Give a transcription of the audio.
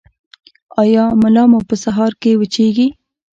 ایا ملا مو په سهار کې وچیږي؟